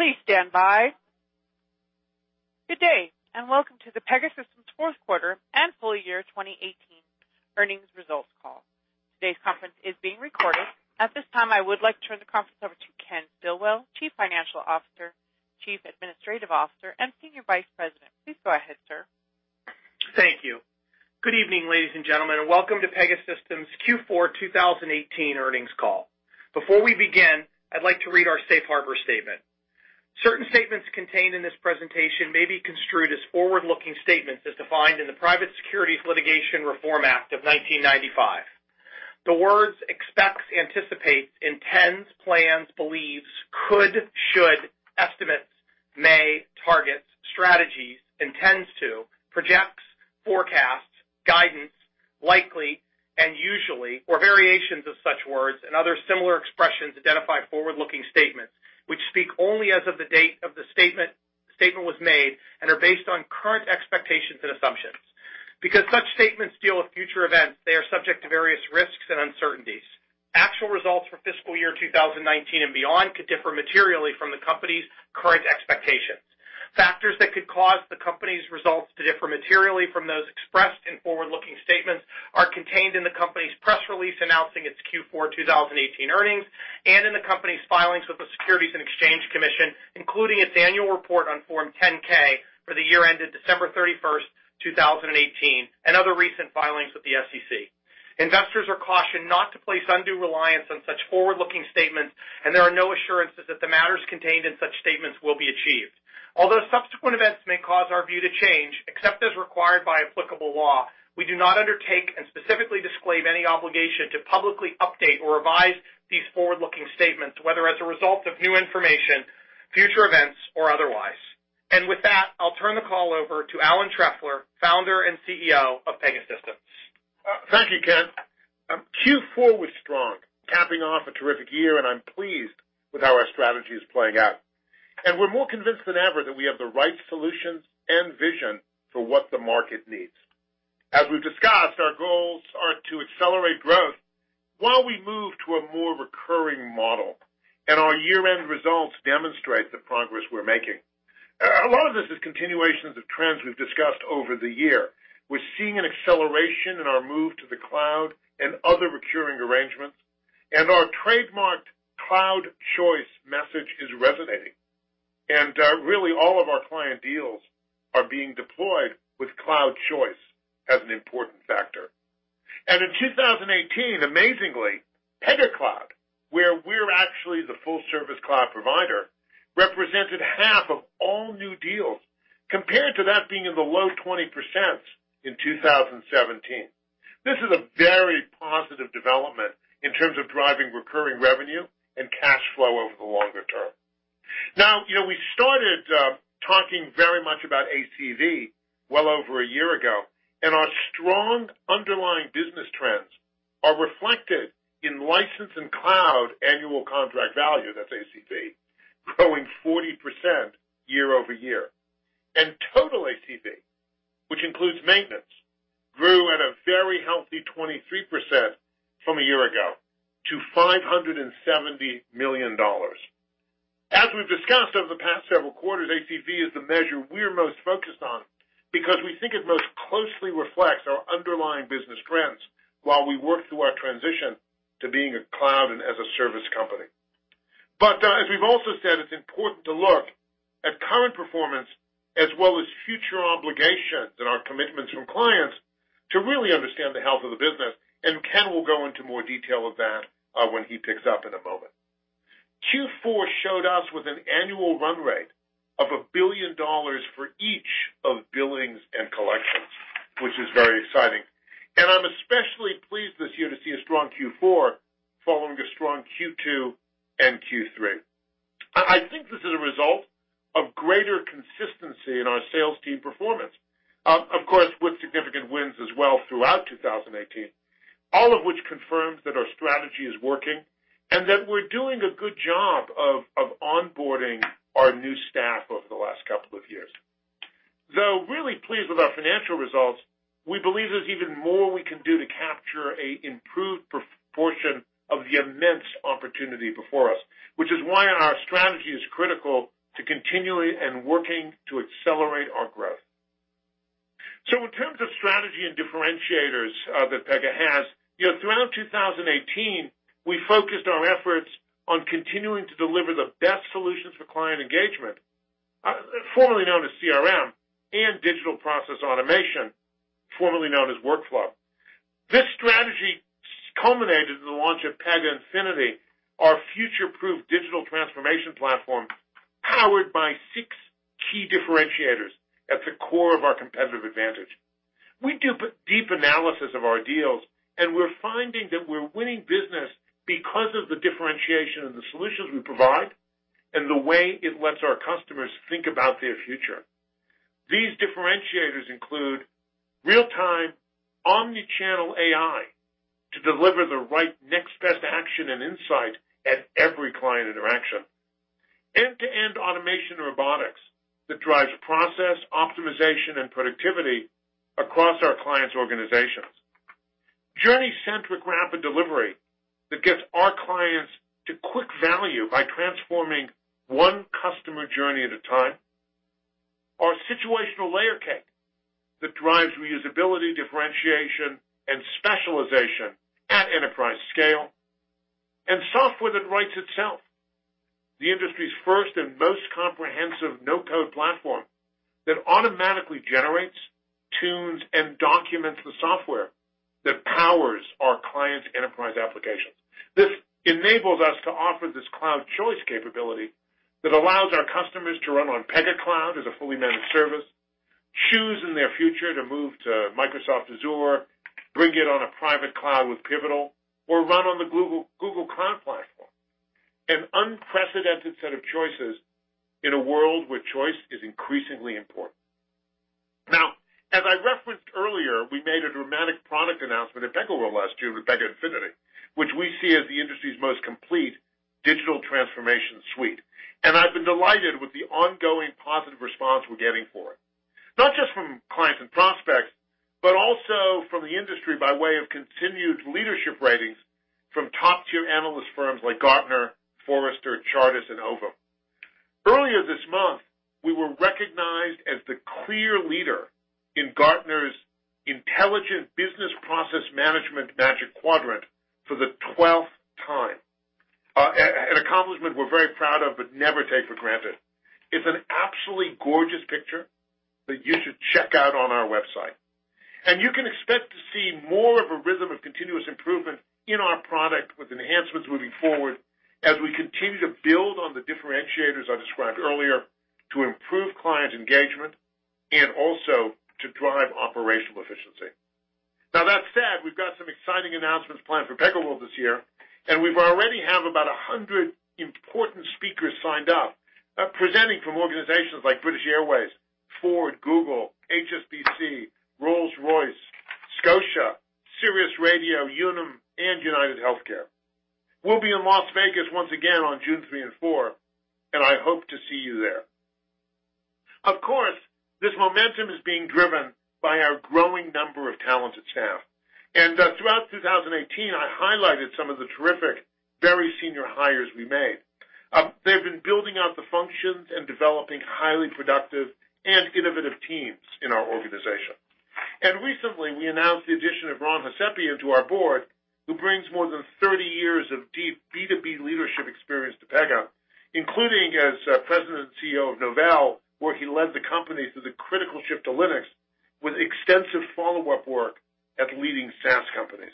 Please stand by. Good day, and welcome to the Pegasystems fourth quarter and full year 2018 earnings results call. Today's conference is being recorded. At this time, I would like to turn the conference over to Ken Stillwell, chief financial officer, chief administrative officer, and senior vice president. Please go ahead, sir. Thank you. Good evening, ladies and gentlemen, and welcome to Pegasystems Q4 2018 earnings call. Before we begin, I'd like to read our safe harbor statement. Certain statements contained in this presentation may be construed as forward-looking statements as defined in the Private Securities Litigation Reform Act of 1995. The words expects, anticipate, intends, plans, believes, could, should, estimates, may, targets, strategies, intends to, projects, forecasts, guidance, likely, and usually, or variations of such words and other similar expressions identify forward-looking statements, which speak only as of the date of the statement was made and are based on current expectations and assumptions. Because such statements deal with future events, they are subject to various risks and uncertainties. Actual results for fiscal year 2019 and beyond could differ materially from the company's current expectations. Factors that could cause the company's results to differ materially from those expressed in forward-looking statements are contained in the company's press release announcing its Q4 2018 earnings and in the company's filings with the Securities and Exchange Commission, including its annual report on Form 10-K for the year ended December 31st, 2018, and other recent filings with the SEC. Investors are cautioned not to place undue reliance on such forward-looking statements, there are no assurances that the matters contained in such statements will be achieved. Although subsequent events may cause our view to change, except as required by applicable law, we do not undertake and specifically disclaim any obligation to publicly update or revise these forward-looking statements, whether as a result of new information, future events, or otherwise. With that, I'll turn the call over to Alan Trefler, founder and CEO of Pegasystems. Thank you, Ken. Q4 was strong, capping off a terrific year, I'm pleased with how our strategy is playing out. We're more convinced than ever that we have the right solutions and vision for what the market needs. As we've discussed, our goals are to accelerate growth while we move to a more recurring model, our year-end results demonstrate the progress we're making. A lot of this is continuations of trends we've discussed over the year. We're seeing an acceleration in our move to the cloud and other recurring arrangements, our trademarked Cloud Choice message is resonating. Really all of our client deals are being deployed with Cloud Choice as an important factor. In 2018, amazingly, Pega Cloud, where we're actually the full-service cloud provider, represented half of all new deals, compared to that being in the low 20% in 2017. This is a very positive development in terms of driving recurring revenue and cash flow over the longer term. We started talking very much about ACV well over a year ago, and our strong underlying business trends are reflected in license and cloud annual contract value, that's ACV, growing 40% year-over-year. Total ACV, which includes maintenance, grew at a very healthy 23% from a year ago to $570 million. As we've discussed over the past several quarters, ACV is the measure we're most focused on because we think it most closely reflects our underlying business trends while we work through our transition to being a cloud and as-a-service company. As we've also said, it's important to look at current performance as well as future obligations and our commitments from clients to really understand the health of the business, and Ken will go into more detail of that when he picks up in a moment. Q4 showed us with an annual run rate of $1 billion for each of billings and collections, which is very exciting. I'm especially pleased this year to see a strong Q4 following a strong Q2 and Q3. I think this is a result of greater consistency in our sales team performance. Of course, with significant wins as well throughout 2018, all of which confirms that our strategy is working and that we're doing a good job of onboarding our new staff over the last couple of years. Though really pleased with our financial results, we believe there's even more we can do to capture an improved proportion of the immense opportunity before us, which is why our strategy is critical to continually and working to accelerate our growth. In terms of strategy and differentiators that Pega has, throughout 2018, we focused our efforts on continuing to deliver the best solutions for client engagement, formerly known as CRM, and digital process automation, formerly known as Workflow. This strategy culminated in the launch of Pega Infinity, our future-proof digital transformation platform powered by six key differentiators at the core of our competitive advantage. We do deep analysis of our deals, and we're finding that we're winning business because of the differentiation of the solutions we provide and the way it lets our customers think about their future. These differentiators include real-time omni-channel AI to deliver the right next best action and insight at every client interaction. End-to-end automation robotics that drives process optimization and productivity across our clients' organizations. Journey-centric rapid delivery that gets our clients to quick value by transforming one customer journey at a time. Our Situational Layer Cake that drives reusability, differentiation, and specialization at enterprise scale, and software that writes itself. The industry's first and most comprehensive no-code platform that automatically generates, tunes, and documents the software that powers our clients' enterprise applications. This enables us to offer this Cloud Choice capability that allows our customers to run on Pega Cloud as a fully managed service, choose in their future to move to Microsoft Azure, bring it on a private cloud with Pivotal or run on the Google Cloud Platform. An unprecedented set of choices in a world where choice is increasingly important. As I referenced earlier, we made a dramatic product announcement at PegaWorld last year with Pega Infinity, which we see as the industry's most complete digital transformation suite. I've been delighted with the ongoing positive response we're getting for it, not just from clients and prospects, but also from the industry by way of continued leadership ratings from top-tier analyst firms like Gartner, Forrester, Chartis, and Ovum. Earlier this month, we were recognized as the clear leader in Gartner's Intelligent Business Process Management Magic Quadrant for the 12th time, an accomplishment we're very proud of but never take for granted. It's an absolutely gorgeous picture that you should check out on our website. You can expect to see more of a rhythm of continuous improvement in our product with enhancements moving forward as we continue to build on the differentiators I described earlier to improve client engagement and also to drive operational efficiency. That said, we've got some exciting announcements planned for PegaWorld this year. We already have about 100 important speakers signed up presenting from organizations like British Airways, Ford, Google, HSBC, Rolls-Royce, Scotia, Sirius Radio, Unum, and UnitedHealthcare. We'll be in Las Vegas once again on June three and four. I hope to see you there. Of course, this momentum is being driven by our growing number of talented staff. Throughout 2018, I highlighted some of the terrific, very senior hires we made. They've been building out the functions and developing highly productive and innovative teams in our organization. Recently we announced the addition of Ron Hovsepian to our board, who brings more than 30 years of deep B2B leadership experience to Pega, including as president and CEO of Novell, where he led the company through the critical shift to Linux with extensive follow-up work at leading SaaS companies.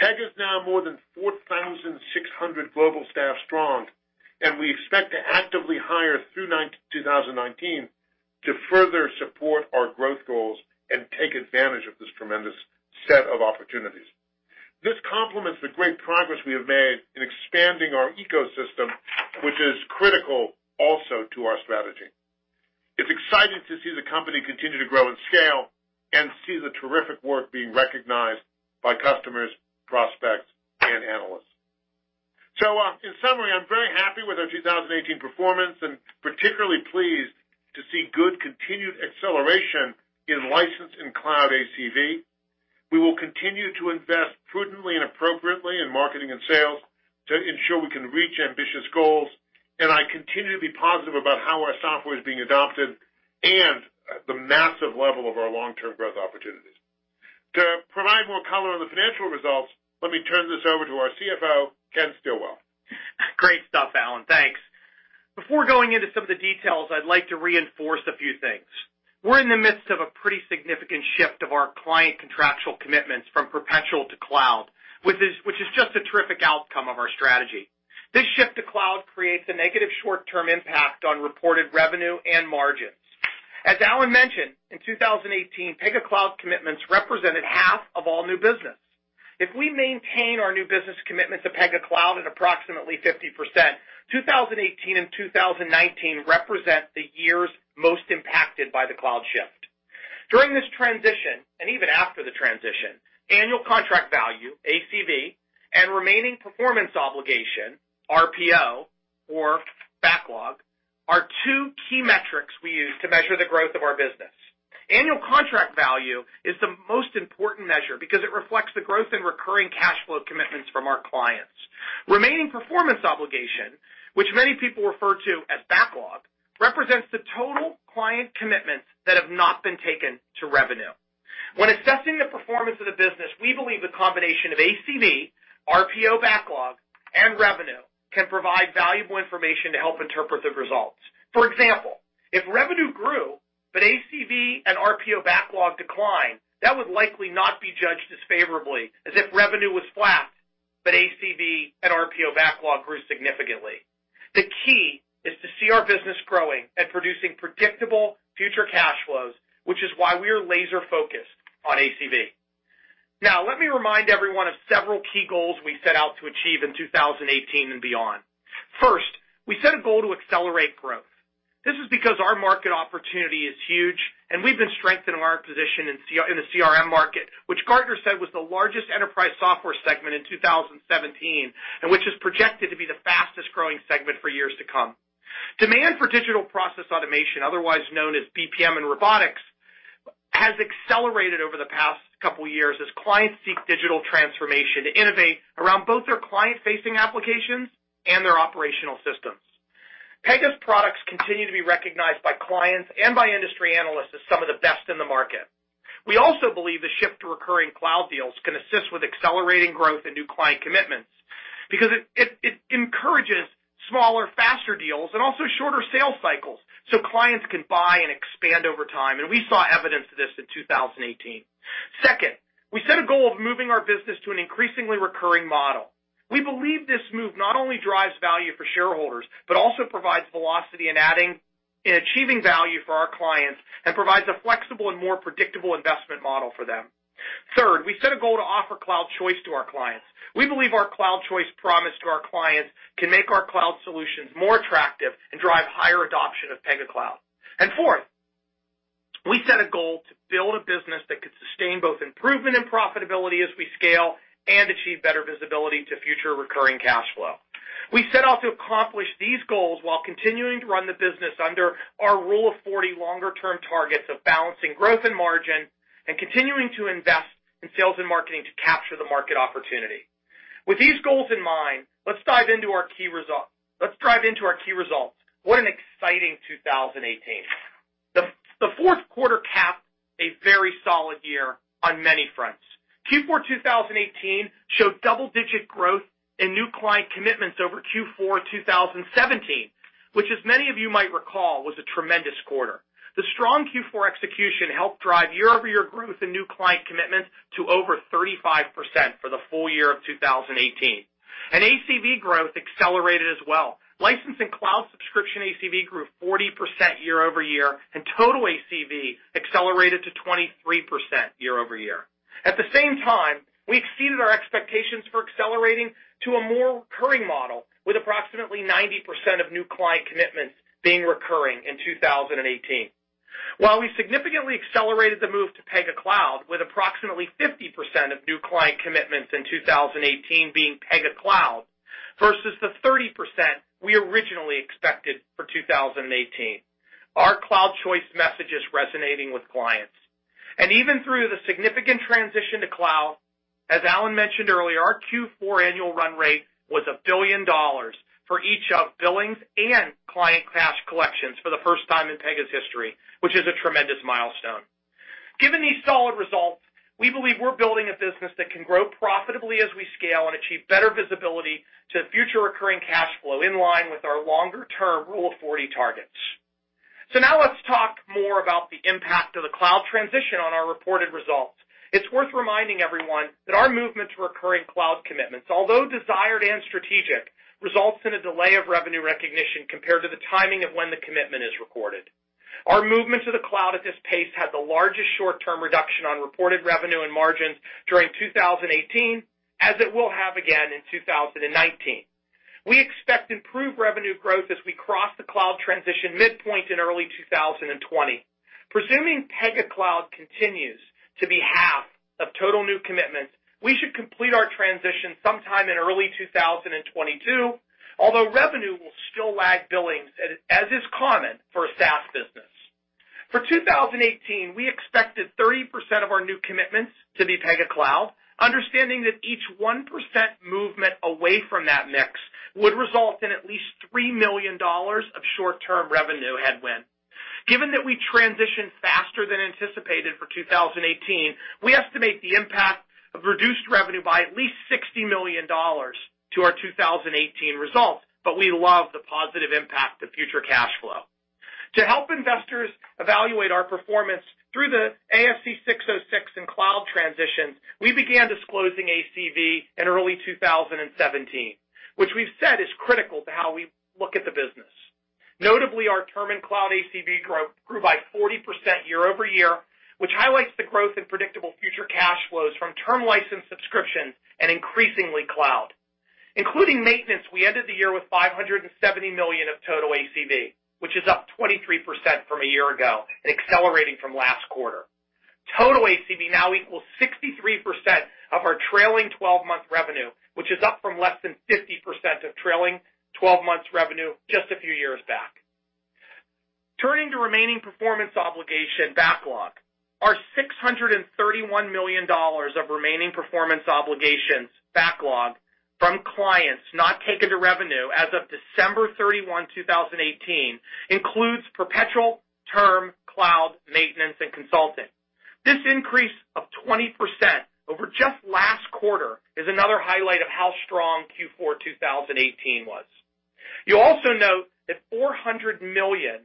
Pega is now more than 4,600 global staff strong. We expect to actively hire through 2019 to further support our growth goals and take advantage of this tremendous set of opportunities. This complements the great progress we have made in expanding our ecosystem, which is critical also to our strategy. It's exciting to see the company continue to grow and scale and see the terrific work being recognized by customers, prospects, and analysts. In summary, I'm very happy with our 2018 performance and particularly pleased to see good continued acceleration in license and cloud ACV. We will continue to invest prudently and appropriately in marketing and sales to ensure we can reach ambitious goals. I continue to be positive about how our software is being adopted and the massive level of our long-term growth opportunities. To provide more color on the financial results, let me turn this over to our CFO, Ken Stillwell. Great stuff, Alan. Thanks. Before going into some of the details, I'd like to reinforce a few things. We're in the midst of a pretty significant shift of our client contractual commitments from perpetual to cloud, which is just a terrific outcome of our strategy. This shift to cloud creates a negative short-term impact on reported revenue and margins. As Alan mentioned, in 2018, Pega Cloud commitments represented half of all new business. If we maintain our new business commitment to Pega Cloud at approximately 50%, 2018 and 2019 represent the years most impacted by the cloud shift. During this transition, and even after the transition, annual contract value, ACV, and remaining performance obligation, RPO or backlog, are two key metrics we use to measure the growth of our business. Annual contract value is the most important measure because it reflects the growth in recurring cash flow commitments from our clients. Remaining performance obligation, which many people refer to as backlog, represents the total client commitments that have not been taken to revenue. When assessing the performance of the business, we believe the combination of ACV, RPO backlog, and revenue can provide valuable information to help interpret the results. For example, if revenue grew but ACV and RPO backlog decline, that would likely not be judged as favorably as if revenue was flat, but ACV and RPO backlog grew significantly. The key is to see our business growing and producing predictable future cash flows, which is why we are laser-focused on ACV. Now, let me remind everyone of several key goals we set out to achieve in 2018 and beyond. First, we set a goal to accelerate growth. This is because our market opportunity is huge, and we've been strengthening our position in the CRM market, which Gartner said was the largest enterprise software segment in 2017, and which is projected to be the fastest-growing segment for years to come. Demand for digital process automation, otherwise known as BPM and robotics, has accelerated over the past couple of years as clients seek digital transformation to innovate around both their client-facing applications and their operational systems. Pega's products continue to be recognized by clients and by industry analysts as some of the best in the market. We also believe the shift to recurring cloud deals can assist with accelerating growth and new client commitments because it encourages smaller, faster deals and also shorter sales cycles so clients can buy and expand over time, and we saw evidence of this in 2018. Second, we set a goal of moving our business to an increasingly recurring model. We believe this move not only drives value for shareholders, but also provides velocity in achieving value for our clients and provides a flexible and more predictable investment model for them. Third, we set a goal to offer Cloud Choice to our clients. We believe our Cloud Choice promise to our clients can make our cloud solutions more attractive and drive higher adoption of Pega Cloud. Fourth, we set a goal to build a business that could sustain both improvement in profitability as we scale and achieve better visibility to future recurring cash flow. We set off to accomplish these goals while continuing to run the business under our Rule of 40 longer-term targets of balancing growth and margin and continuing to invest in sales and marketing to capture the market opportunity. With these goals in mind, let's dive into our key results. What an exciting 2018. The fourth quarter capped a very solid year on many fronts. Q4 2018 showed double-digit growth in new client commitments over Q4 2017, which as many of you might recall, was a tremendous quarter. The strong Q4 execution helped drive year-over-year growth in new client commitments to over 35% for the full year of 2018. ACV growth accelerated as well. License and cloud subscription ACV grew 40% year-over-year, and total ACV accelerated to 23% year-over-year. At the same time, we exceeded our expectations for accelerating to a more recurring model with approximately 90% of new client commitments being recurring in 2018. While we significantly accelerated the move to Pega Cloud, with approximately 50% of new client commitments in 2018 being Pega Cloud versus the 30% we originally expected for 2018. Our Cloud Choice message is resonating with clients. Even through the significant transition to cloud, as Alan mentioned earlier, our Q4 annual run rate was $1 billion for each of billings and client cash collections for the first time in Pega's history, which is a tremendous milestone. Given these solid results, we believe we're building a business that can grow profitably as we scale and achieve better visibility to future recurring cash flow in line with our longer-term Rule of 40 targets. Now let's talk more about the impact of the cloud transition on our reported results. It's worth reminding everyone that our movement to recurring cloud commitments, although desired and strategic, results in a delay of revenue recognition compared to the timing of when the commitment is recorded. Our movement to the cloud at this pace had the largest short-term reduction on reported revenue and margins during 2018, as it will have again in 2019. We expect improved revenue growth as we cross the cloud transition midpoint in early 2020. Presuming Pega Cloud continues to be half of total new commitments, we should complete our transition sometime in early 2022, although revenue will still lag billings, as is common for a SaaS business. For 2018, we expected 30% of our new commitments to be Pega Cloud, understanding that each 1% movement away from that mix would result in at least $3 million of short-term revenue headwind. Given that we transitioned faster than anticipated for 2018, we estimate the impact of reduced revenue by at least $60 million to our 2018 results, but we love the positive impact to future cash flow. To help investors evaluate our performance through the ASC 606 and cloud transitions, we began disclosing ACV in early 2017, which we've said is critical to how we look at the business. Notably, our term and cloud ACV grew by 40% year-over-year, which highlights the growth in predictable future cash flows from term license subscription and increasingly cloud. Including maintenance, we ended the year with $570 million of total ACV, which is up 23% from a year ago and accelerating from last quarter. Total ACV now equals 63% of our trailing 12-month revenue, which is up from less than 50% of trailing 12-month revenue just a few years back. Turning to remaining performance obligation backlog, our $631 million of remaining performance obligations backlog from clients not taken to revenue as of December 31, 2018, includes perpetual term cloud maintenance and consulting. This increase of 20% over just last quarter is another highlight of how strong Q4 2018 was. You'll also note that $400 million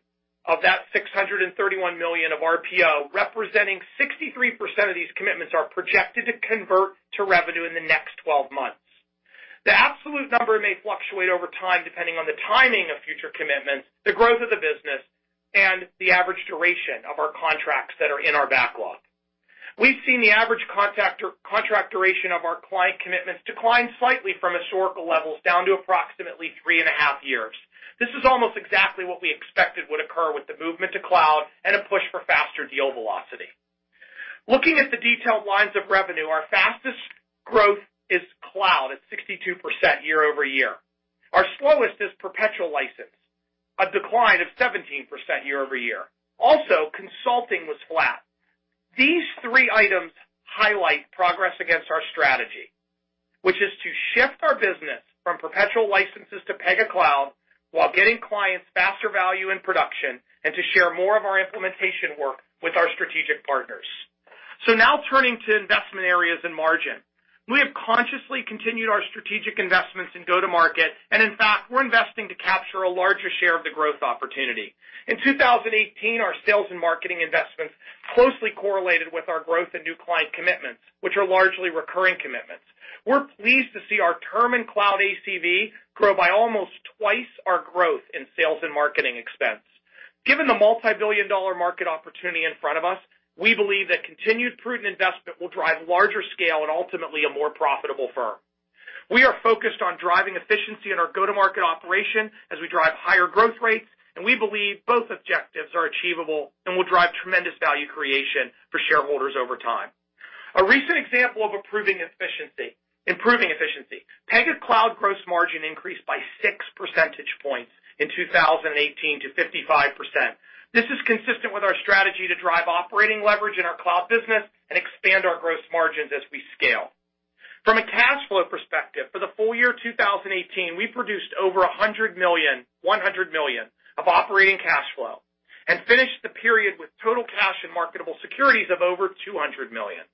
of that $631 million of RPO, representing 63% of these commitments, are projected to convert to revenue in the next 12 months. The absolute number may fluctuate over time depending on the timing of future commitments, the growth of the business, and the average duration of our contracts that are in our backlog. We've seen the average contract duration of our client commitments decline slightly from historical levels down to approximately three and a half years. This is almost exactly what we expected would occur with the movement to cloud and a push for faster deal velocity. Looking at the detailed lines of revenue, our fastest growth is cloud at 62% year-over-year. Our slowest is perpetual license, a decline of 17% year-over-year. Also, consulting was flat. These three items highlight progress against our strategy, which is to shift our business from perpetual licenses to Pega Cloud while getting clients faster value in production, and to share more of our implementation work with our strategic partners. Turning to investment areas and margin. We have consciously continued our strategic investments in go-to-market, and in fact, we're investing to capture a larger share of the growth opportunity. In 2018, our sales and marketing investments closely correlated with our growth in new client commitments, which are largely recurring commitments. We're pleased to see our term and cloud ACV grow by almost twice our growth in sales and marketing expense. Given the multibillion-dollar market opportunity in front of us, we believe that continued prudent investment will drive larger scale and ultimately a more profitable firm. We are focused on driving efficiency in our go-to-market operation as we drive higher growth rates, and we believe both objectives are achievable and will drive tremendous value creation for shareholders over time. A recent example of improving efficiency, Pega's cloud gross margin increased by six percentage points in 2018 to 55%. This is consistent with our strategy to drive operating leverage in our cloud business and expand our gross margins as we scale. From a cash flow perspective, for the full year 2018, we produced over $100 million of operating cash flow and finished the period with total cash and marketable securities of over $200 million.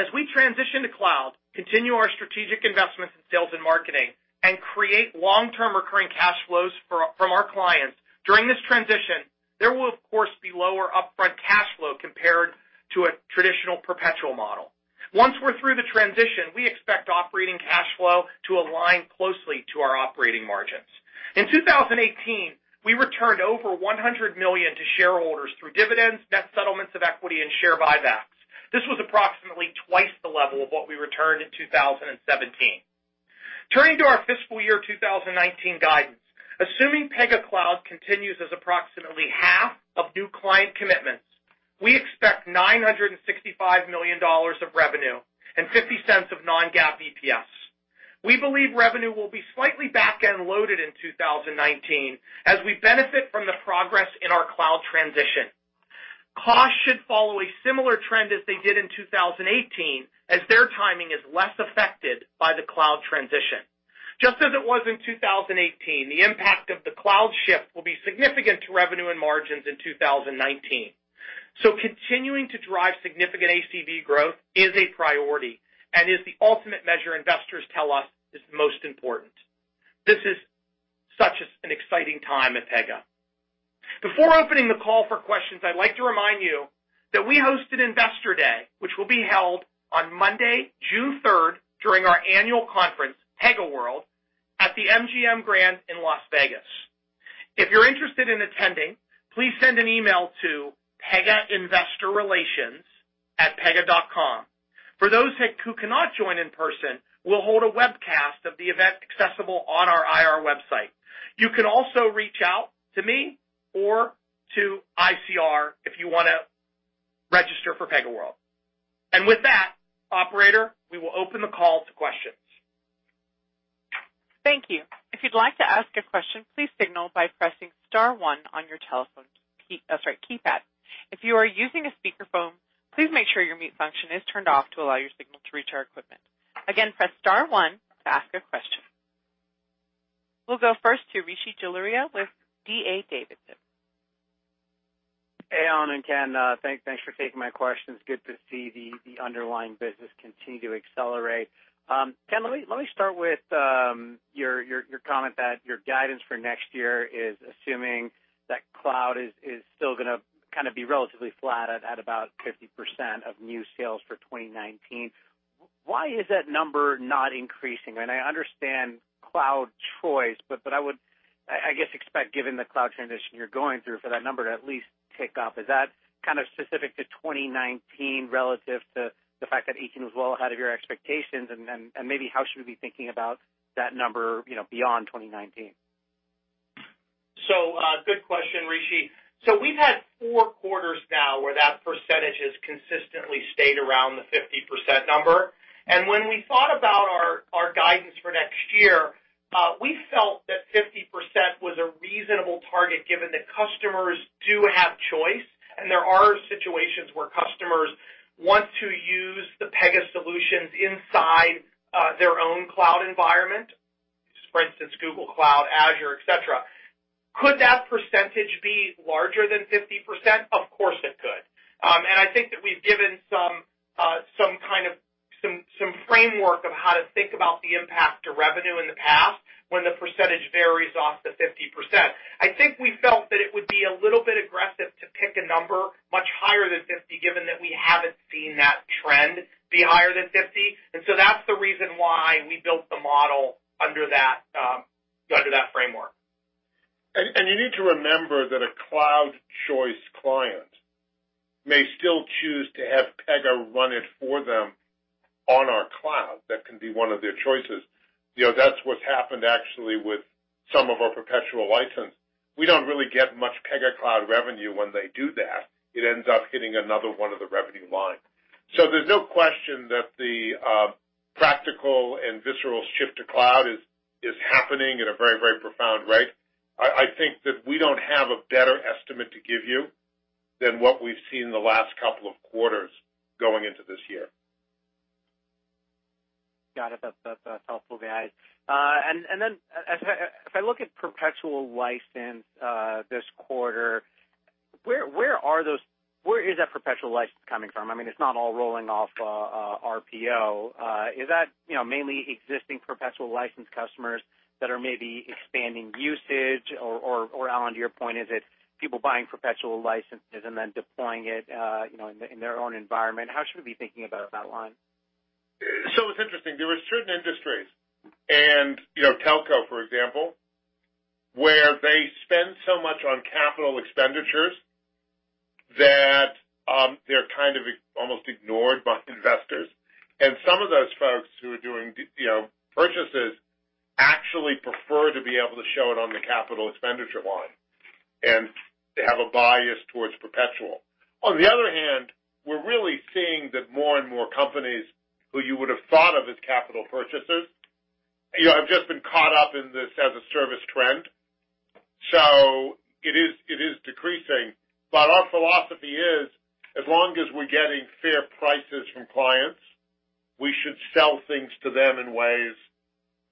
As we transition to cloud, continue our strategic investments in sales and marketing, and create long-term recurring cash flows from our clients during this transition, there will of course be lower upfront cash flow compared to a traditional perpetual model. Once we're through the transition, we expect operating cash flow to align closely to our operating margins. In 2018, we returned over $100 million to shareholders through dividends, debt settlements of equity and share buybacks. This was approximately twice the level of what we returned in 2017. Turning to our fiscal year 2019 guidance, assuming Pega Cloud continues as approximately half of new client commitments, we expect $965 million of revenue and $0.50 of non-GAAP EPS. We believe revenue will be slightly back-end loaded in 2019 as we benefit from the progress in our cloud transition. Costs should follow a similar trend as they did in 2018 as their timing is less affected by the cloud transition. Just as it was in 2018, the impact of the cloud shift will be significant to revenue and margins in 2019. Continuing to drive significant ACV growth is a priority and is the ultimate measure investors tell us is most important. This is such an exciting time at Pega. Before opening the call for questions, I'd like to remind you that we host an Investor Day, which will be held on Monday, June 3rd, during our annual conference, PegaWorld, at the MGM Grand in Las Vegas. If you're interested in attending, please send an email to pegainvestorrelations@pega.com. For those who cannot join in person, we'll hold a webcast of the event accessible on our IR website. You can also reach out to me or to ICR if you want to register for PegaWorld. With that, operator, we will open the call to questions. Thank you. If you'd like to ask a question, please signal by pressing star one on your telephone keypad. If you are using a speakerphone, please make sure your mute function is turned off to allow your signal to reach our equipment. Again, press star one to ask a question. We'll go first to Rishi Jaluria with D.A. Davidson. Hey, Alan and Ken. Thanks for taking my questions. Good to see the underlying business continue to accelerate. Ken, let me start with your comment that your guidance for next year is assuming that cloud is still going to be relatively flat at about 50% of new sales for 2019. Why is that number not increasing? I understand Cloud Choice, but I would, I guess, expect given the cloud transition you're going through, for that number to at least tick up. Is that specific to 2019 relative to the fact that 2018 was well ahead of your expectations? Then, maybe how should we be thinking about that number beyond 2019? Good question, Rishi. We've had four quarters now where that percentage has consistently stayed around the 50% number. When we thought about our guidance for next year, we felt that 50% was a reasonable target given that customers do have choice, and there are situations where customers want to use the Pega solutions inside their own cloud environment. For instance, Google Cloud, Azure, et cetera. Could that percentage be larger than 50%? Of course, it could. I think that we've given some kind of framework of how to think about the impact to revenue in the past when the percentage varies off the 50%. I think we felt that it would be a little bit aggressive to pick a number much higher than 50, given that we haven't seen that trend be higher than 50. That's the reason why we built the model under that framework. You need to remember that a Cloud Choice client may still choose to have Pega run it for them on our cloud Can be one of their choices. That's what's happened actually with some of our perpetual license. We don't really get much Pega Cloud revenue when they do that. It ends up hitting another one of the revenue lines. There's no question that the practical and visceral shift to cloud is happening at a very, very profound rate. I think that we don't have a better estimate to give you than what we've seen in the last couple of quarters going into this year. Got it. That's helpful, guys. If I look at perpetual license this quarter, where is that perpetual license coming from? It's not all rolling off RPO. Is that mainly existing perpetual license customers that are maybe expanding usage? Or, Alan, to your point, is it people buying perpetual licenses and then deploying it in their own environment? How should we be thinking about that line? It's interesting. There are certain industries and telco, for example, where they spend so much on capital expenditures that they're kind of almost ignored by investors. Some of those folks who are doing purchases actually prefer to be able to show it on the capital expenditure line, and they have a bias towards perpetual. On the other hand, we're really seeing that more and more companies who you would have thought of as capital purchasers, have just been caught up in this as-a-service trend. It is decreasing. Our philosophy is, as long as we're getting fair prices from clients, we should sell things to them in ways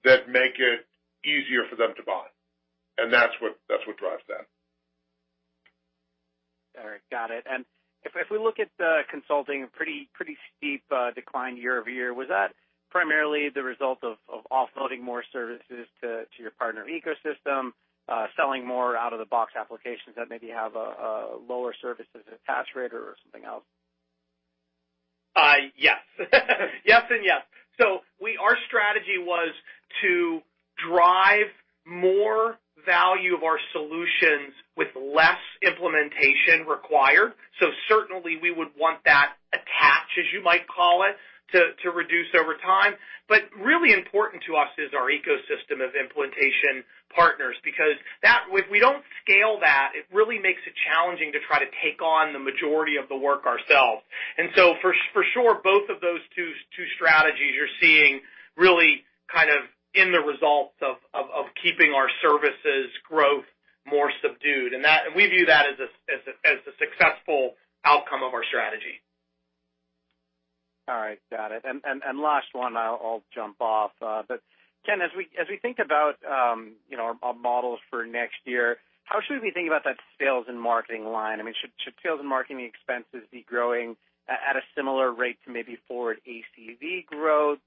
that make it easier for them to buy. That's what drives that. All right. Got it. If we look at the consulting, a pretty steep decline year-over-year. Was that primarily the result of offloading more services to your partner ecosystem, selling more out-of-the-box applications that maybe have a lower services attach rate or something else? Yes. Yes and yes. Our strategy was to drive more value of our solutions with less implementation required. Certainly, we would want that attach, as you might call it, to reduce over time. Really important to us is our ecosystem of implementation partners, because if we don't scale that, it really makes it challenging to try to take on the majority of the work ourselves. For sure, both of those two strategies you're seeing really kind of in the results of keeping our services growth more subdued. We view that as a successful outcome of our strategy. All right. Got it. Last one, I'll jump off. Ken, as we think about our models for next year, how should we be thinking about that sales and marketing line? Should sales and marketing expenses be growing at a similar rate to maybe forward ACV growth,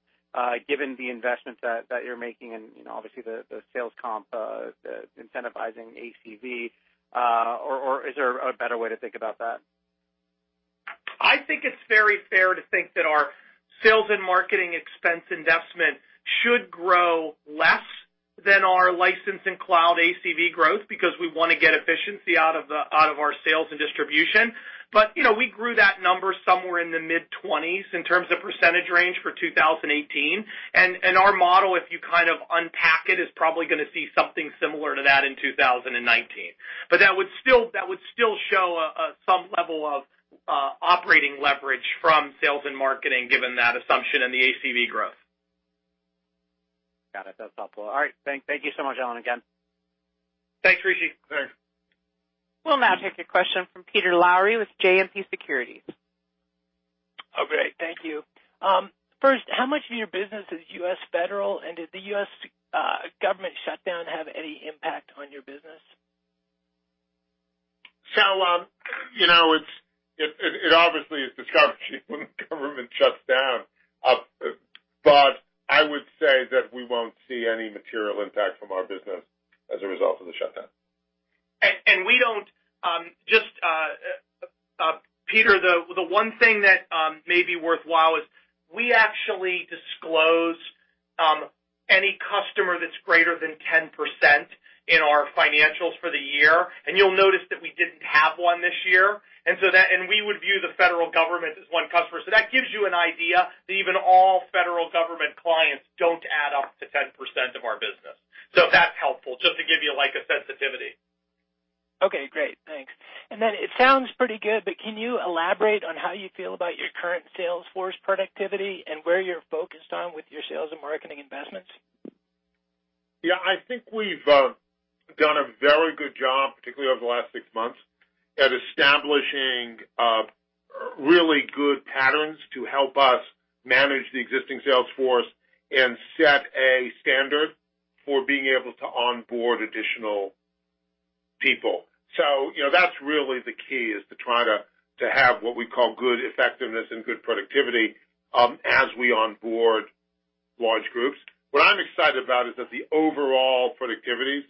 given the investments that you're making and obviously the sales comp, the incentivizing ACV, or is there a better way to think about that? I think it's very fair to think that our sales and marketing expense investment should grow less than our license and cloud ACV growth because we want to get efficiency out of our sales and distribution. We grew that number somewhere in the mid-20s in terms of percentage range for 2018. Our model, if you kind of unpack it, is probably going to see something similar to that in 2019. That would still show some level of operating leverage from sales and marketing, given that assumption and the ACV growth. Got it. That's helpful. All right. Thank you so much, Alan, again. Thanks, Rishi. Thanks. We'll now take a question from Peter Lowry with JMP Securities. Oh, great. Thank you. First, how much of your business is U.S. federal, and did the U.S. government shutdown have any impact on your business? It obviously is disruptive when the government shuts down. I would say that we won't see any material impact from our business as a result of the shutdown. Peter, the one thing that may be worthwhile is we actually disclose any customer that's greater than 10% in our financials for the year, you'll notice that we didn't have one this year. We would view the Federal Government as one customer. That gives you an idea that even all Federal Government clients don't add up to 10% of our business. That's helpful, just to give you a sensitivity. Okay, great. Thanks. It sounds pretty good, but can you elaborate on how you feel about your current sales force productivity and where you're focused on with your sales and marketing investments? I think we've done a very good job, particularly over the last 6 months, at establishing really good patterns to help us manage the existing sales force and set a standard for being able to onboard additional people. That's really the key, is to try to have what we call good effectiveness and good productivity as we onboard large groups. What I'm excited about is that the overall productivity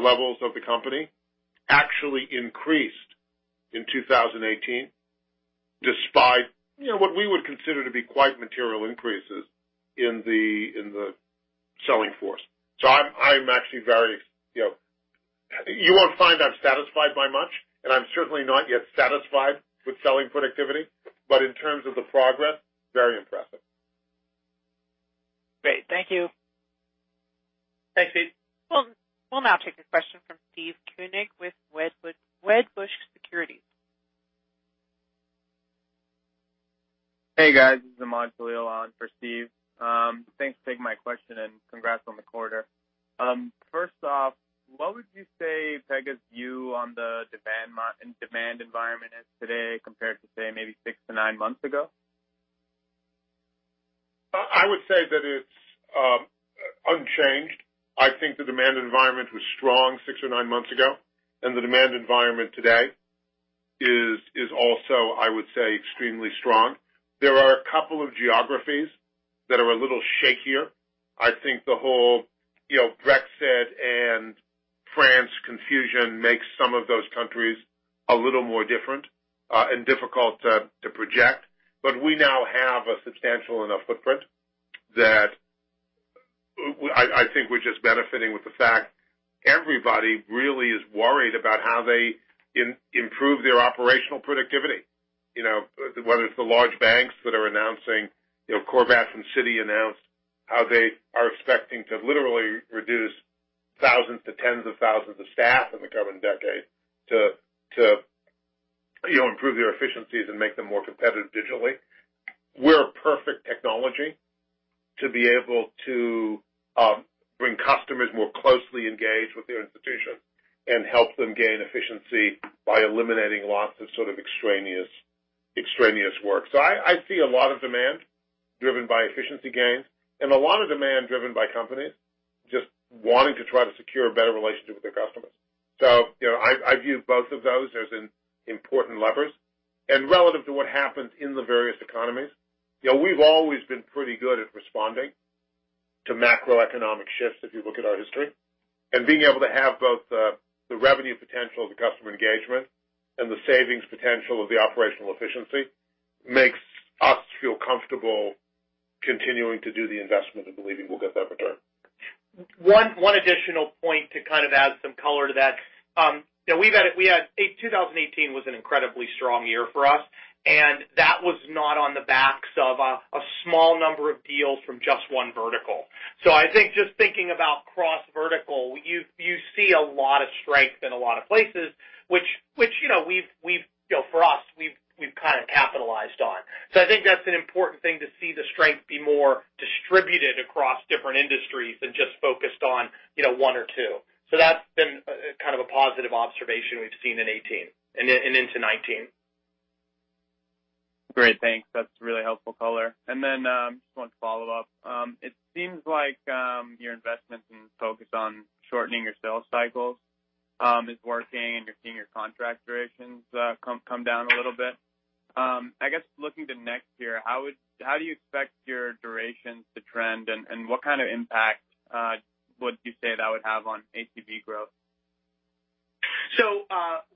levels of the company actually increased in 2018, despite what we would consider to be quite material increases in the selling force. I'm actually very. You won't find I'm satisfied by much, and I'm certainly not yet satisfied with selling productivity. In terms of the progress, very impressive. Great. Thank you. Thanks, Pete. We'll now take a question from Steve Koenig with Wedbush Securities. Hey, guys. This is Ahmad Galil on for Steve. Thanks for taking my question, and congrats on the quarter. First off, what would you say Pega's view on the demand environment is today compared to, say, maybe six to nine months ago? I would say that it's unchanged. I think the demand environment was strong six or nine months ago, and the demand environment today is also, I would say, extremely strong. There are a couple of geographies that are a little shakier. I think the whole Brexit and France confusion makes some of those countries a little more different and difficult to project. We now have a substantial enough footprint that I think we're just benefiting with the fact everybody really is worried about how they improve their operational productivity. Whether it's the large banks that are announcing, Barclays and Citi announced how they are expecting to literally reduce thousands to tens of thousands of staff in the coming decade to improve their efficiencies and make them more competitive digitally. We're a perfect technology to be able to bring customers more closely engaged with their institution and help them gain efficiency by eliminating lots of extraneous work. I see a lot of demand driven by efficiency gains and a lot of demand driven by companies just wanting to try to secure a better relationship with their customers. I view both of those as important levers. Relative to what happens in the various economies, we've always been pretty good at responding to macroeconomic shifts if you look at our history. Being able to have both the revenue potential of the customer engagement and the savings potential of the operational efficiency makes us feel comfortable continuing to do the investment and believing we'll get that return. One additional point to kind of add some color to that. 2018 was an incredibly strong year for us, and that was not on the backs of a small number of deals from just one vertical. I think just thinking about cross-vertical, you see a lot of strength in a lot of places, which for us, we've kind of capitalized on. I think that's an important thing to see the strength be more distributed across different industries than just focused on one or two. That's been kind of a positive observation we've seen in 2018 and into 2019. Great. Thanks. That's really helpful color. Just want to follow up. It seems like your investments and focus on shortening your sales cycles is working, and you're seeing your contract durations come down a little bit. Looking to next year, how do you expect your durations to trend, and what kind of impact would you say that would have on ACV growth?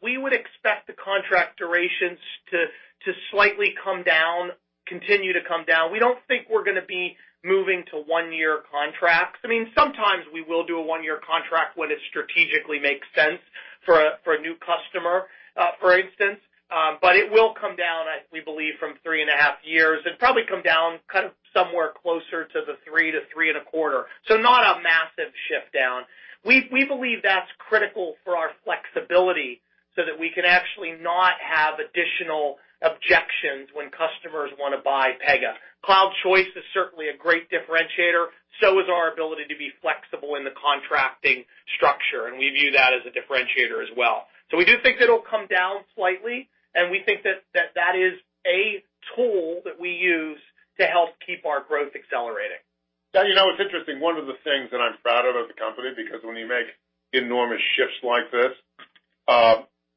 We would expect the contract durations to slightly come down, continue to come down. We don't think we're going to be moving to one-year contracts. Sometimes we will do a one-year contract when it strategically makes sense for a new customer, for instance. It will come down, we believe, from three and a half years and probably come down kind of somewhere closer to the three to three and a quarter. Not a massive shift down. We believe that's critical for our flexibility so that we can actually not have additional objections when customers want to buy Pega. Cloud Choice is certainly a great differentiator. Is our ability to be flexible in the contracting structure, and we view that as a differentiator as well. We do think it'll come down slightly, and we think that is a tool that we use to help keep our growth accelerating. It's interesting. One of the things that I'm proud of as a company, because when you make enormous shifts like this,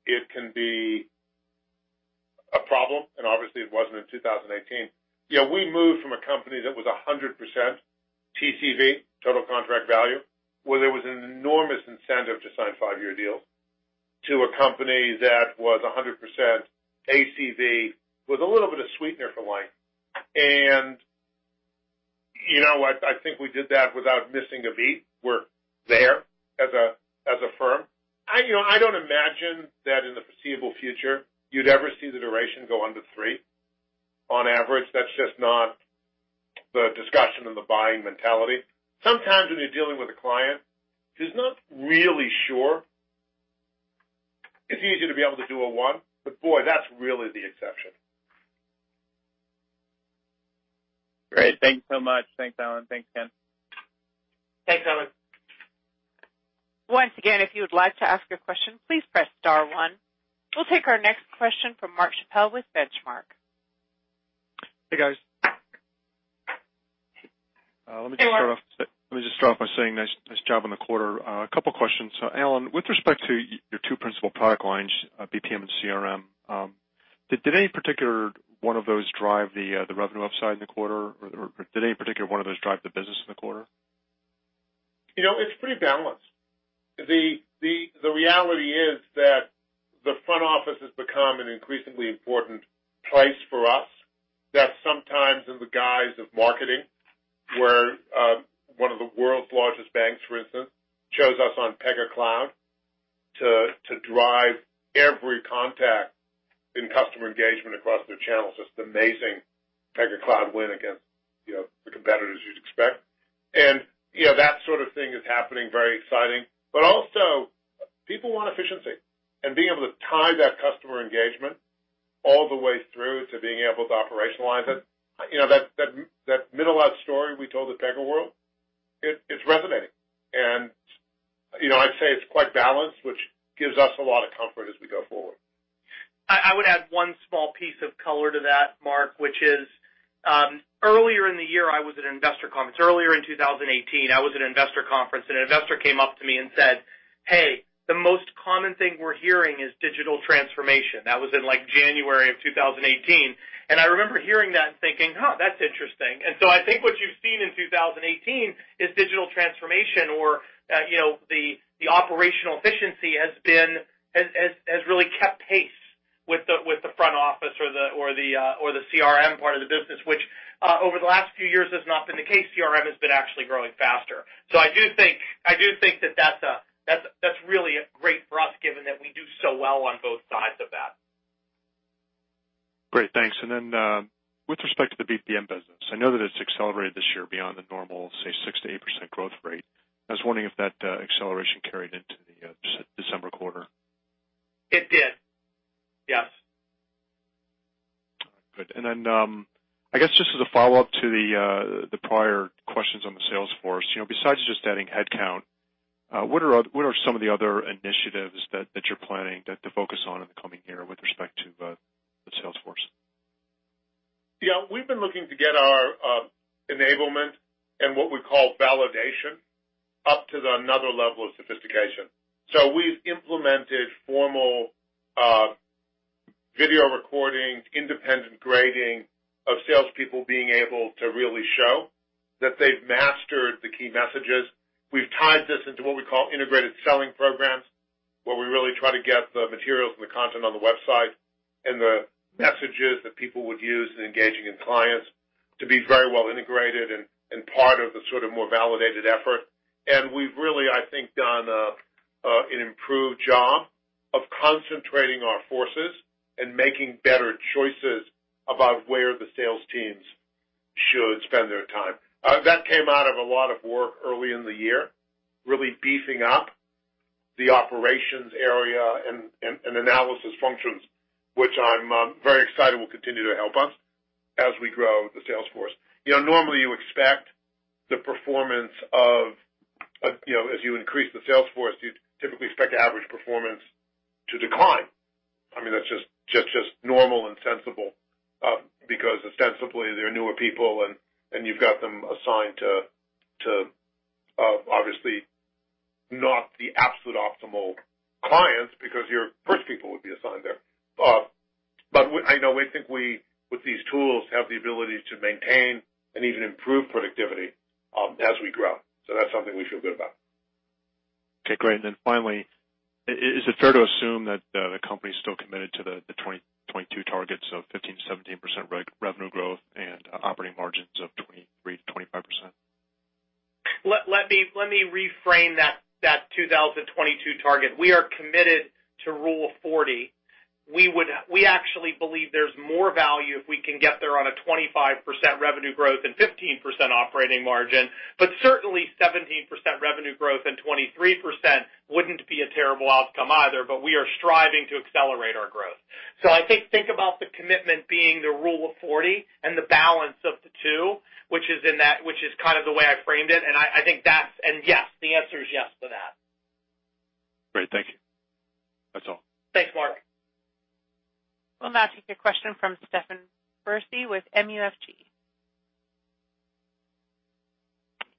it can be a problem, and obviously it wasn't in 2018. We moved from a company that was 100% TCV, total contract value, where there was an enormous incentive to sign five-year deals, to a company that was 100% ACV with a little bit of sweetener for life. I think we did that without missing a beat. We're there as a firm. I don't imagine that in the foreseeable future you'd ever see the duration go under three on average. That's just not the discussion and the buying mentality. Sometimes when you're dealing with a client who's not really sure, it's easy to be able to do a one, but boy, that's really the exception. Great. Thanks so much. Thanks, Alan. Thanks, Ken. Thanks, Alan. Once again, if you would like to ask a question, please press star one. We'll take our next question from Mark Chappell with Benchmark. Hey, guys. Hey, Mark. Let me just start off by saying nice job on the quarter. A couple questions. Alan, with respect to your two principal product lines, BPM and CRM, did any particular one of those drive the revenue upside in the quarter? Or did any particular one of those drive the business in the quarter? It's pretty balanced. The reality is that increasingly important place for us, sometimes in the guise of marketing, where one of the world's largest banks, for instance, chose us on Pega Cloud to drive every contact in customer engagement across their channels. Just amazing Pega Cloud win against the competitors you'd expect. That sort of thing is happening, very exciting. Also, people want efficiency and being able to tie that customer engagement all the way through to being able to operationalize it. That middle-out story we told at PegaWorld, it's resonating. I'd say it's quite balanced, which gives us a lot of comfort as we go forward. I would add one small piece of color to that, Mark, which is, earlier in the year, I was at an investor conference. Earlier in 2018, I was at an investor conference, an investor came up to me and said, "Hey, the most common thing we're hearing is digital transformation." That was in January of 2018. I remember hearing that and thinking, huh, that's interesting. I think what you've seen in 2018 is digital transformation or the operational efficiency has really kept pace with the front office or the CRM part of the business, which over the last few years has not been the case. CRM has been actually growing faster. I do think that that's really great for us given that we do so well on both sides of that. Great. Thanks. With respect to the BPM business, I know that it's accelerated this year beyond the normal, say, 6% to 8% growth rate. I was wondering if that acceleration carried into the December quarter. It did. Yes. All right. Good. I guess just as a follow-up to the prior questions on the sales force, besides just adding headcount, what are some of the other initiatives that you're planning to focus on in the coming year with respect to the sales force? Yeah. We've been looking to get our enablement and what we call validation up to another level of sophistication. We've implemented formal video recording, independent grading of salespeople being able to really show that they've mastered the key messages. We've tied this into what we call integrated selling programs, where we really try to get the materials and the content on the website and the messages that people would use in engaging in clients to be very well integrated and part of the more validated effort. We've really, I think, done an improved job of concentrating our forces and making better choices about where the sales teams should spend their time. That came out of a lot of work early in the year, really beefing up the operations area and analysis functions, which I'm very excited will continue to help us as we grow the sales force. Normally, you expect the performance of, as you increase the sales force, you'd typically expect the average performance to decline. That's just normal and sensible, because ostensibly, they're newer people, and you've got them assigned to, obviously, not the absolute optimal clients because your first people would be assigned there. I know we think we, with these tools, have the ability to maintain and even improve productivity as we grow. That's something we feel good about. Okay, great. Finally, is it fair to assume that the company is still committed to the 2022 targets of 15%-17% revenue growth and operating margins of 23%-25%? Let me reframe that 2022 target. We are committed to Rule of 40. We actually believe there's more value if we can get there on a 25% revenue growth and 15% operating margin, but certainly 17% revenue growth and 23% wouldn't be a terrible outcome either. We are striving to accelerate our growth. I think about the commitment being the Rule of 40 and the balance of the two, which is kind of the way I framed it. Yes, the answer is yes to that. Great. Thank you. That's all. Thanks, Mark. We'll now take a question from Stephen Bersey with MUFG.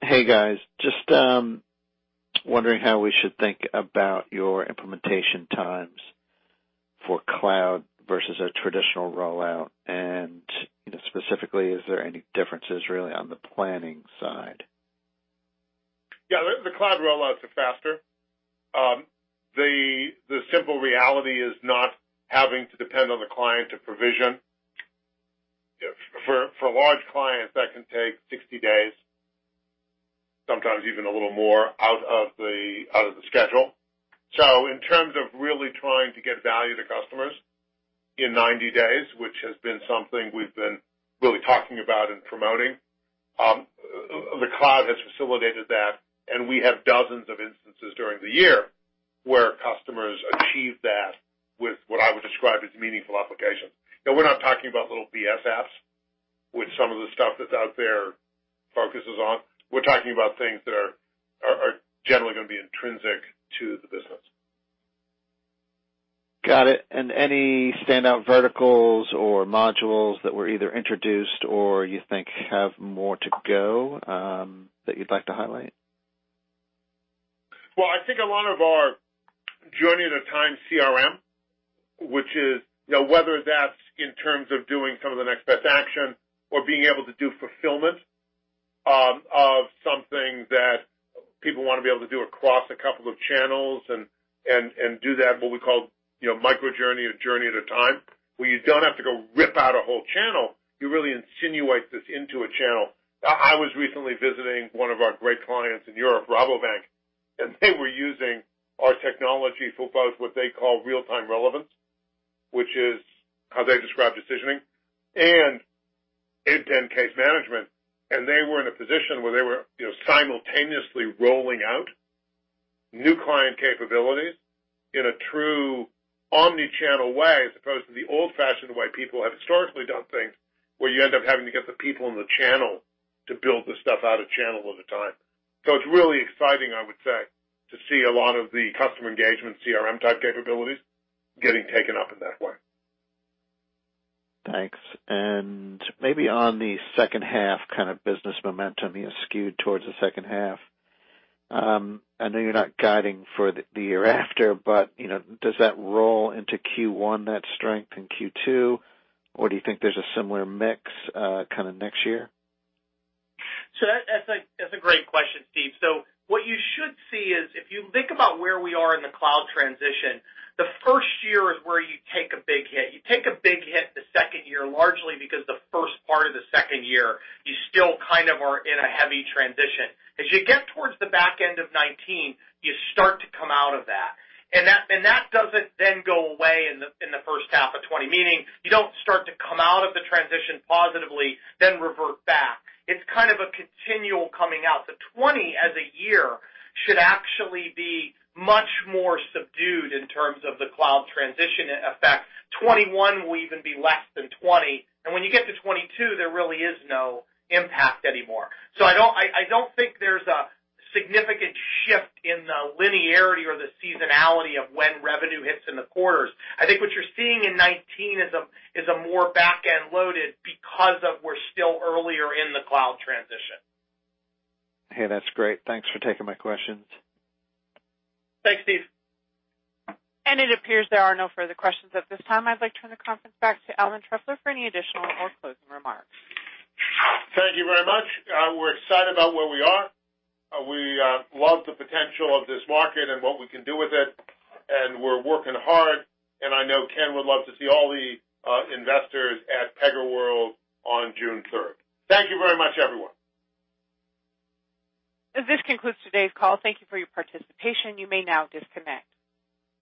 Hey, guys. Just wondering how we should think about your implementation times for cloud versus a traditional rollout. Specifically, is there any differences really on the planning side? Yeah, the cloud rollouts are faster. The simple reality is not having to depend on the client to provision. For large clients, that can take 60 days, sometimes even a little more out of the schedule. In terms of really trying to get value to customers in 90 days, which has been something we've been really talking about and promoting, the cloud has facilitated that, and we have dozens of instances during the year where customers achieve that with what I would describe as meaningful applications. We're not talking about little BS apps, which some of the stuff that's out there focuses on. We're talking about things that are generally going to be intrinsic to the business. Got it. Any standout verticals or modules that were either introduced or you think have more to go that you'd like to highlight? Well, I think a lot of our journey at a time CRM, which is, whether that's in terms of doing some of the next best action or being able to do fulfillment of something that people want to be able to do across a couple of channels and do that, what we call Microjourney, a journey at a time, where you don't have to go rip out a whole channel. You really insinuate this into a channel. I was recently visiting one of our great clients in Europe, Rabobank, and they were using our technology for both what they call real-time relevance, which is how they describe decisioning, and then case management. They were in a position where they were simultaneously rolling out new client capabilities in a true omni-channel way, as opposed to the old-fashioned way people have historically done things, where you end up having to get the people in the channel to build the stuff out a channel at a time. It's really exciting, I would say, to see a lot of the customer engagement CRM-type capabilities getting taken up in that way. Thanks. Maybe on the second half kind of business momentum, skewed towards the second half, I know you're not guiding for the year after, but does that roll into Q1, that strength in Q2, or do you think there's a similar mix next year? That's a great question, Steve. What you should see is, if you think about where we are in the cloud transition, the first year is where you take a big hit. You take a big hit the second year, largely because the first part of the second year, you still kind of are in a heavy transition. As you get towards the back end of 2019, you start to come out of that. That doesn't then go away in the first half of 2020, meaning you don't start to come out of the transition positively, then revert back. It's kind of a continual coming out. The 2020 as a year should actually be much more subdued in terms of the cloud transition effect. 2021 will even be less than 2020. When you get to 2022, there really is no impact anymore. I don't think there's a significant shift in the linearity or the seasonality of when revenue hits in the quarters. I think what you're seeing in 2019 is a more back-end loaded because of we're still earlier in the cloud transition. Hey, that's great. Thanks for taking my questions. Thanks, Steve. It appears there are no further questions at this time. I'd like to turn the conference back to Alan Trefler for any additional or closing remarks. Thank you very much. We're excited about where we are. We love the potential of this market and what we can do with it, and we're working hard. I know Ken would love to see all the investors at PegaWorld on June 3rd. Thank you very much, everyone. This concludes today's call. Thank you for your participation. You may now disconnect.